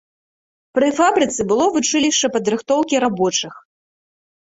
Пры фабрыцы было вучылішча падрыхтоўкі рабочых.